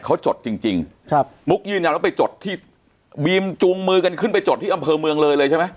เขาจดจริงจริงครับมุกยืนยันว่าไปจดที่บีมจูงมือกันขึ้นไปจดที่อำเภอเมืองเลยเลยใช่ไหม